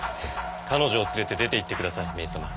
彼女を連れて出ていってくださいメイさま。